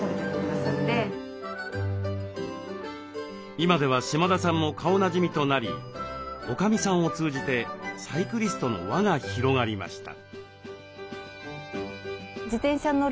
今では島田さんも顔なじみとなりおかみさんを通じてサイクリストの輪が広がりました。